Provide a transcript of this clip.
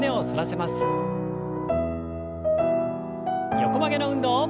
横曲げの運動。